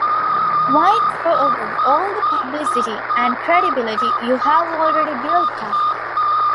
Why throw away all the publicity and credibility you've already built up?